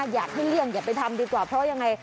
อยากให้เลี่ยงอย่าไปทำดีกว่าเพราะยังไง